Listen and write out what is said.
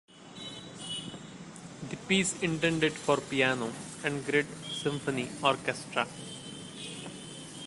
The piece intended for piano and great symphony orchestra.